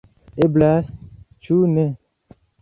Eblas, cu ne!